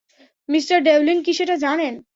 Mr Devlin কি সেটা জানেন?